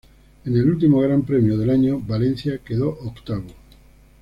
En el último Gran Premio del año, Valencia, quedó octavo.